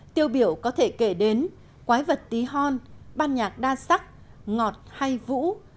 tiêu biểu có thể kể đến quái vật tí hon ban nhạc đa sắc ngọt hay vũ